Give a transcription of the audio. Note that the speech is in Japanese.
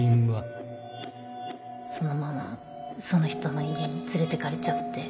そのままその人の家に連れてかれちゃって